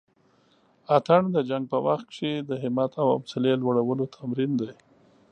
اتڼ د جنګ په وخت کښې د همت او حوصلې لوړلو تمرين دی.